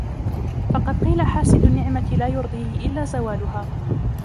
فَقَدْ قِيلَ حَاسِدُ النِّعْمَةِ لَا يُرْضِيهِ إلَّا زَوَالُهَا